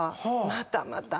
またまた。